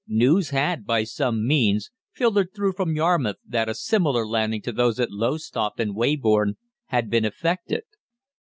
News had, by some means, filtered through from Yarmouth that a similar landing to those at Lowestoft and Weybourne had been effected.